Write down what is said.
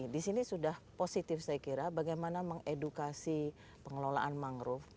di sini sudah positif saya kira bagaimana mengedukasi pengelolaan mangrove